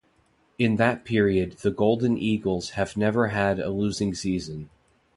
In that period the Golden Eagles have never had a losing season.